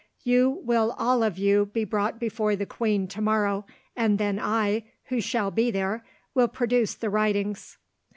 You will all of you be brought before the queen to morrow, and then I, who shall be there, will produce the writings."